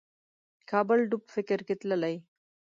کابل ډوب فکر کې تللی